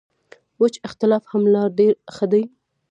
وچ اختلاف هم لا ډېر ښه دی.